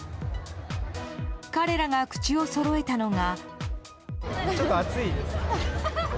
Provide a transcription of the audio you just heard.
彼らが口をそろえたのが。